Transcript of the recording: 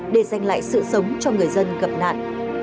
để giành lại sự sống cho người dân gặp nạn